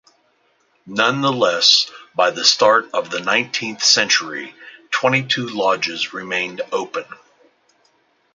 Nonetheless, by the start of the nineteenth century, twenty-two lodges remained open.